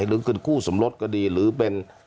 หรือเงินคู่สมรสก็ดีหรือเป็น